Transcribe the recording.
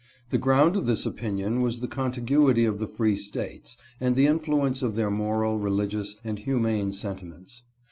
The ground of this opinion was the contiguity of the free States, and the influence of their moral, religious, and humane sentiments.